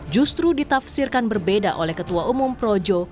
justru ditafsirkan berbeda oleh ketua umum projo